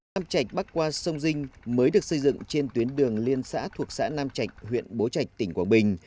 nam trạch bắc qua sông dinh mới được xây dựng trên tuyến đường liên xã thuộc xã nam trạch huyện bố trạch tỉnh quảng bình